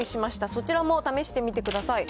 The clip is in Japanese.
そちらも試してみてください。